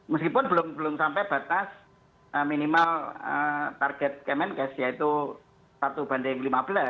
meskipun belum sampai batas minimal target kemenkes yaitu satu banding lima belas